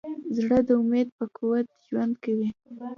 زړه د امید په قوت ژوند کوي.